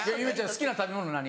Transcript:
好きな食べ物何？